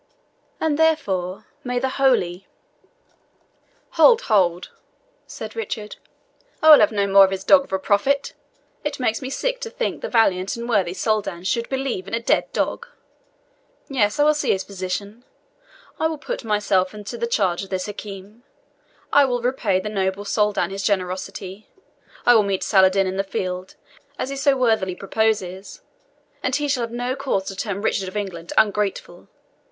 And, therefore, may the holy " "Hold, hold," said Richard, "I will have no more of his dog of a prophet! It makes me sick to think the valiant and worthy Soldan should believe in a dead dog. Yes, I will see his physician. I will put myself into the charge of this Hakim I will repay the noble Soldan his generosity I will meet Saladin in the field, as he so worthily proposes, and he shall have no cause to term Richard of England ungrateful.